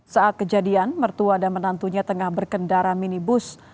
saat kejadian mertua dan menantunya tengah berkendara minibus